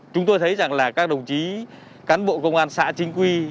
chúng tôi thấy rằng là các đồng chí cán bộ công an xã chính quy